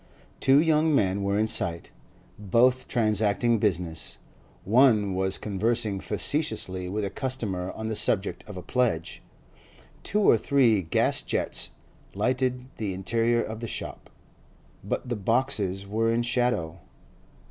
Two young men were in sight, both transacting business; one was conversing facetiously with a customer on the subject of a pledge. Two or three gas jets lighted the interior of the shop, but the boxes were in shadow.